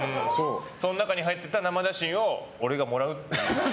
その中に入ってた生写真を俺がもらうっていう。